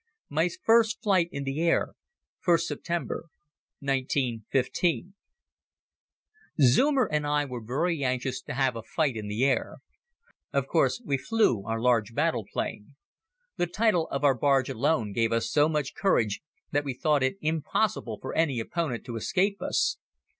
My First Fight in the Air. (1st Sept., 1915) ZEUMER and I were very anxious to have a fight in the air. Of course we flew our large battle plane. The title of our barge alone gave us so much courage that we thought it impossible for any opponent to escape us.